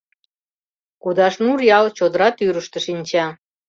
Кудашнур ял чодыра тӱрыштӧ шинча.